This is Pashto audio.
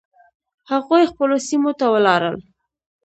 هغوی خپلو سیمو ته ولاړل.